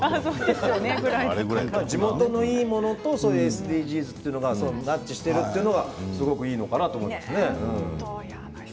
地元のいいものとＳＤＧｓがマッチしているのがすごくいいのかと思います。